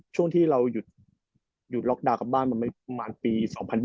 ช่วงที่เราหยุดล็อกดาวนกลับบ้านมาประมาณปี๒๐๒๐